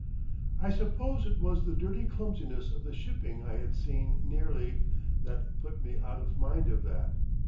I suppose it was the dirty clumsiness of the shipping I had seen nearly, that put me out of mind of that.